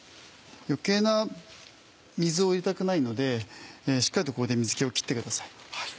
余計な水を入れたくないのでしっかりとここで水気を切ってください。